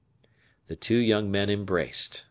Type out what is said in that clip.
The two young men embraced.